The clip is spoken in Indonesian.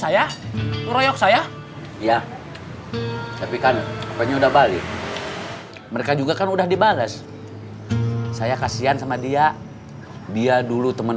ya tapi kan apanya udah balik mereka juga kan udah dibalas saya kasihan sama dia dia dulu temen